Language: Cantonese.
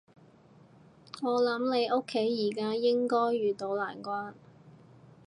我諗你屋企而家應該遇到難關